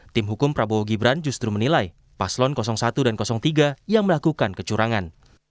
tim hukum prabowo gibran justru menilai paslon satu dan tiga yang melakukan kecurangan